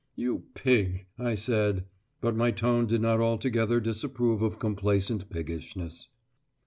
"You pig," I said; but my tone did not altogether disapprove of complacent piggishness.